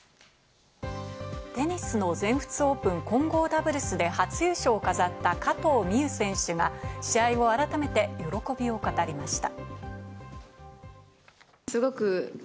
テニスの全仏オープン混合ダブルスで初優勝を飾った加藤未唯選手が試合を改めて喜びを語りました。